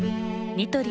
ニトリ